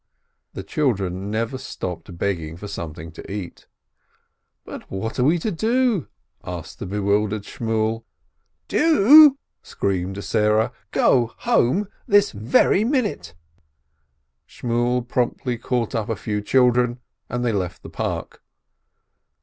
The children never stopped begging for something to eat. "But what are we to do?" asked the bewildered Shmuel. "Do ?" screamed Sarah. "Go home, this very minute !" Shmuel promptly caught up a few children, and they left the park.